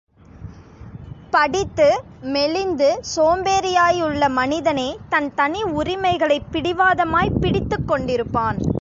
படித்து, மெலிந்து சோம்பேறியாயுள்ள மனிதனே தன் தனி உரிமைகளைப் பிடிவாதமாய்ப் பிடித்துக் கொண்டிருப்பான்.